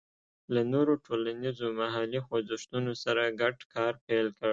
له نورو ټولنیزو محلي خوځښتونو سره ګډ کار پیل کړ.